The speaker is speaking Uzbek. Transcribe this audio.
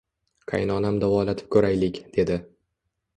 Qaynonam davolatib ko`raylik, dedi